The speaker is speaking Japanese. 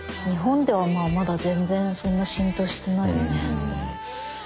日本ではまあまだ全然そんな浸透してないよね。